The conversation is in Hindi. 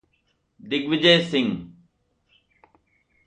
Digvijaya Singh